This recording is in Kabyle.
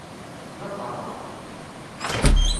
D abaṛeɣ.